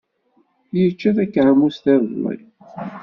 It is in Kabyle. Yečča takeṛmust iḍelli.